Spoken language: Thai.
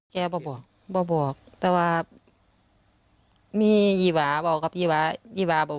ทั้งครูก็มีค่าแรงรวมกันเดือนละประมาณ๗๐๐๐กว่าบาท